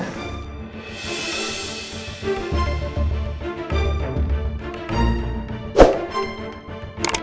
udah selesai ceritanya